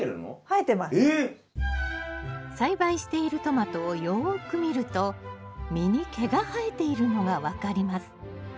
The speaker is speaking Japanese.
えっ！栽培しているトマトをよく見ると実に毛が生えているのが分かります。